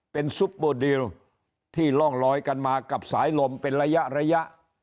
เป็นซุปเปอร์ดิลที่ร่องลอยกันมากับสายลมเป็นระยะระยะ